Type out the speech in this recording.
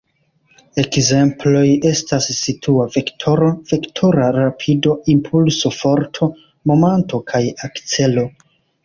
Ekzemploj estas situa vektoro, vektora rapido, impulso, forto, momanto kaj akcelo.